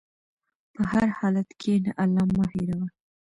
په هر حالت کښېنه، الله مه هېروه.